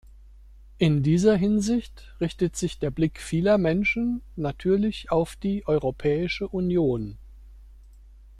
In dieser Hinsicht richtet sich der Blick vieler Menschen natürlich auf die Europäische Union.